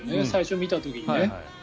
最初見た時にね。